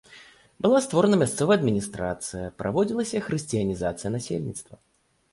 Была створана мясцовая адміністрацыя, праводзілася хрысціянізацыя насельніцтва.